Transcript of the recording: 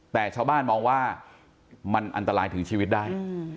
แต่ชาวบ้านมองว่ามันอันตรายถึงชีวิตได้